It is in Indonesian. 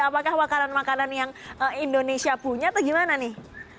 apakah makanan makanan yang indonesia punya atau gimana nih